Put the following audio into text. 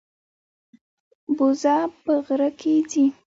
بوزه په غره کې ځي.